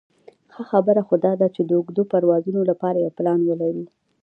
ښه خبره خو داده د اوږدو پروازونو لپاره یو پلان ولرو.